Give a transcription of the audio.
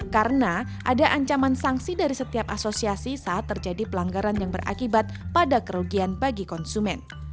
karena ada ancaman sanksi dari setiap asosiasi saat terjadi pelanggaran yang berakibat pada kerugian bagi konsumen